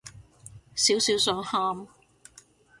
少少想喊